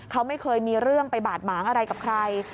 เขาไม่เคยมีเรื่องไปบาดหมางอะไรกับใคร